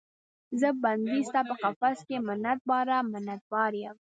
زه بندۍ ستا په قفس کې، منت باره، منت بار یم